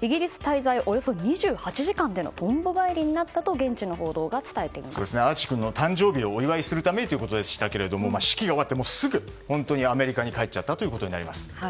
イギリス滞在はおよそ２８時間でのとんぼ返りになったとアーチー君の誕生日をお祝いするためということでしたが式が終わってすぐ、アメリカに帰っちゃったことになります。